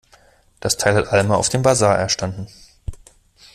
Das Teil hat Alma auf dem Basar erstanden.